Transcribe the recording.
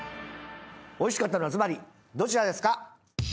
おいしかったのはずばりどちらですか？